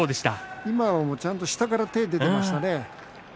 今もちゃんと下から手が出ていましたね。